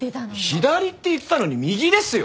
左って言ってたのに右ですよ！？